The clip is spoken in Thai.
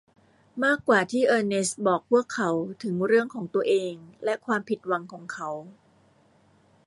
มากกว่าที่เออร์เนสต์บอกพวกเขาถึงเรื่องของตัวเองและความผิดหวังของเขา